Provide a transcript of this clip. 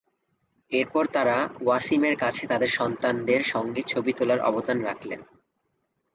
এরপর তাঁরা ওয়াসিমের কাছে তাঁদের সন্তানদের সঙ্গে ছবি তোলার আবদার রাখলেন।